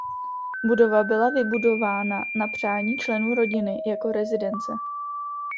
Budova byla vybudována na přání členů rodiny jako rezidence.